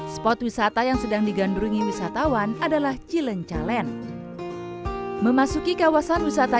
spot wisata yang sedang digandrungi wisatawan adalah cilencalen memasuki kawasan wisata